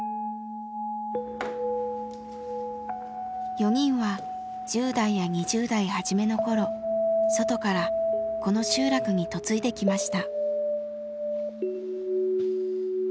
４人は１０代や２０代初めの頃外からこの集落に嫁いできました。